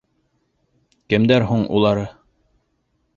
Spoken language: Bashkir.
— Кемдәр һуң улары?